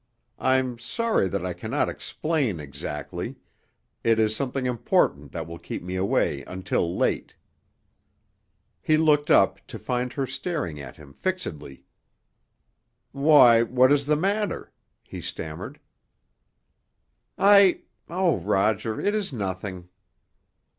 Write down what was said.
I'm sorry that I cannot explain exactly—it is something important that will keep me away until late." He looked up, to find her staring at him fixedly. "Why—what is the matter?" he stammered. "I—oh, Roger, it is nothing!"